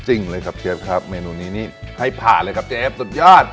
จริงเลยครับเชฟครับเมนูนี้นี่ให้ผ่านเลยครับเชฟสุดยอด